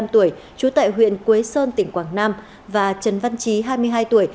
hai mươi năm tuổi chú tại huyện quế sơn tỉnh quảng nam và trần văn trí hai mươi hai tuổi